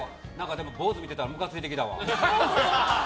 でも坊主見てたらムカついてきたわ。